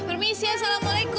permisi ya assalamualaikum